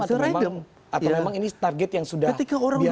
atau memang ini target yang sudah biasa mereka kejar